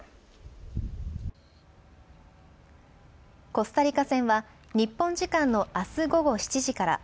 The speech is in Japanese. コスタリカ戦は日本時間のあす午後７時から。